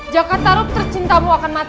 jakartaru tercintamu akan mati